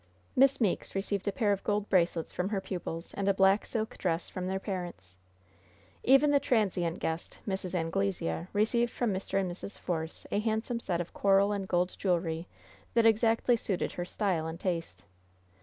Miss Meeke received a pair of gold bracelets from her pupils and a black silk dress from their parents. Even the transient guest, Mrs. Anglesea, received from Mr. and Mrs. Force a handsome set of coral and gold jewelry that exactly suited her style and taste.